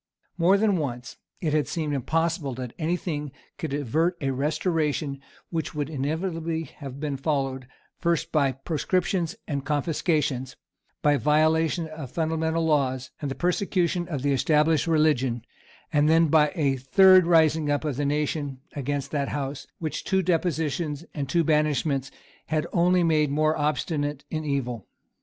More than once it had seemed impossible that any thing could avert a restoration which would inevitably have been followed, first by proscriptions and confiscations, by the violation of fundamental laws, and the persecution of the established religion, and then by a third rising up of the nation against that House which two depositions and two banishments had only made more obstinate in evil.